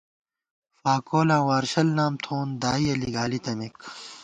فاکولاں وارشل نام تھووون، دائیَہ لِگالی تمېک